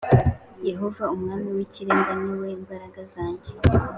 Yehova Umwami w Ikirenga ni we mbaraga zanjye